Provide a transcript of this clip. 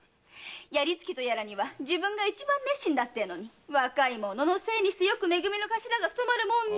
自分が一番熱心だってのに若い者のせいにしてよくめ組の頭が務まるもんだ！